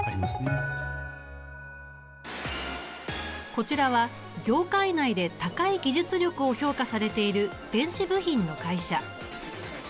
こちらは業界内で高い技術力を評価されている電子部品の会社。